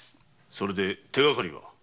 それで手がかりは？